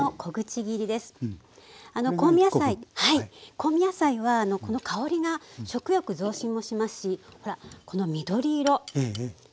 香味野菜はこの香りが食欲増進もしますしほらこの緑色。